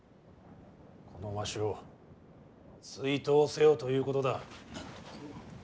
このわしを追討せよということだ。